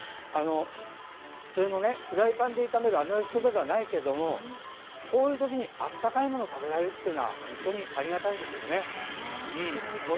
普通のフライパンで炒めるあの焼きそばではないけどこういう時に温かいものを食べられるのは本当にありがたいですよね。